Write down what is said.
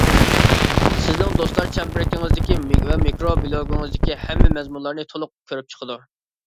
سىزنىڭ دوستلار چەمبىرىكىڭىزدىكى ۋە مىكرو بىلوگىڭىزدىكى ھەممە مەزمۇنلارنى تولۇق كۆرۈپ چىقىدۇ.